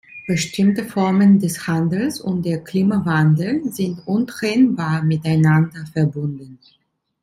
Bestimmte Formen des Handels und der Klimawandel sind untrennbar miteinander verbunden.